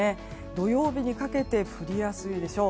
土曜日にかけて降りやすいでしょう。